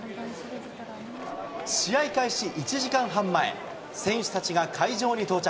試合開始１時間半前、選手たちが会場に到着。